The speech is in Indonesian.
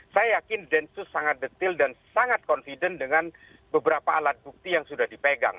saya yakin densus sangat detil dan sangat confident dengan beberapa alat bukti yang sudah dipegang